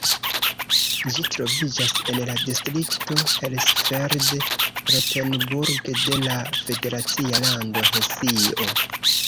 Ĝi troviĝas en la distrikto Hersfeld-Rotenburg de la federacia lando Hesio.